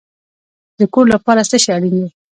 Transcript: د کور لپاره څه شی اړین دی؟